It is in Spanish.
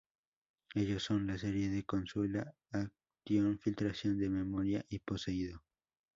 Ellos son: La Serie de consuela-ation, Filtración de Memoria, y Poseído.